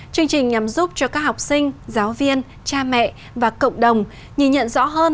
chương trình nhằm giúp cho các học sinh giáo viên cha mẹ và cộng đồng nhìn nhận rõ hơn